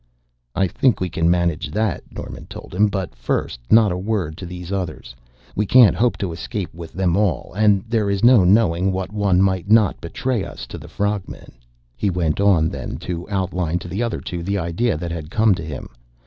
"I think we can manage that," Norman told him. "But first not a word to these others. We can't hope to escape with them all, and there is no knowing what one might not betray us to the frog men." He went on then to outline to the other two the idea that had come to him.